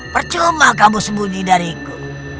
percuma kamu sembunyi dariku